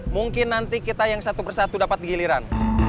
mungkin nanti kita yang satu persatu dapat giliran